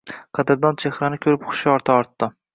Qadrdon chehrani ko‘rib hushyor tortdi.